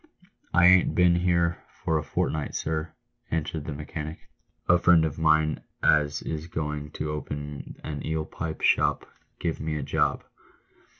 " I ain't been here for a fortnight, sir," answered the mechanic ;" a friend of mine as is going to open a eel pie shop give me a job."